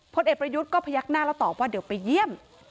พลเอกประยุทธ์ก็พยักหน้าแล้วตอบว่าเดี๋ยวไปเยี่ยม